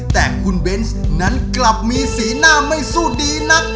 แต่คุณเบนส์นั้นกลับมีสีหน้าไม่สู้ดีนัก